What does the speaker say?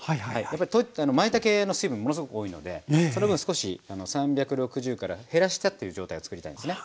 まいたけの水分ものすごく多いのでその分少し３６０から減らしたっていう状態を作りたいんですね。